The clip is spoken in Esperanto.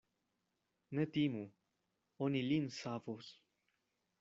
Ne timu; oni lin savos.